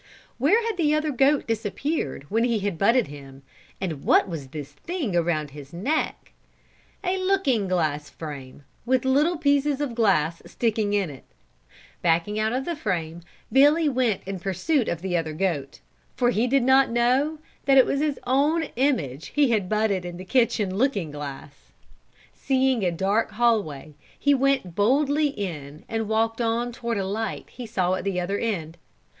Where had the other goat disappeared when he had butted him, and what was this thing around his neck? A looking glass frame, with little pieces of glass sticking in it. Backing out of the frame, Billy went in pursuit of the other goat; for he did not know that it was his own image he had butted in the kitchen looking glass. Seeing a dark hall way, he went boldly in, and walked on toward a light he saw at the other end.